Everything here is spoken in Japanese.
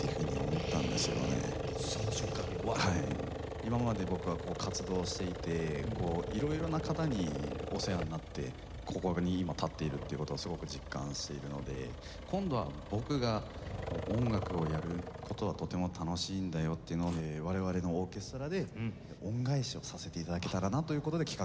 今まで僕は活動していて色々な方にお世話になってここに今立っているっていう事をすごく実感しているので今度は僕が音楽をやる事はとても楽しいんだよっていうのを我々のオーケストラで恩返しをさせて頂けたらなという事で企画して参りました。